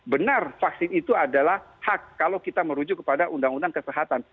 benar vaksin itu adalah hak kalau kita merujuk kepada undang undang kesehatan